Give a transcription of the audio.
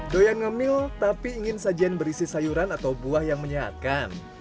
doyan ngemil tapi ingin sajian berisi sayuran atau buah yang menyehatkan